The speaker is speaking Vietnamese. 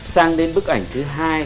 sang đến bức ảnh thứ hai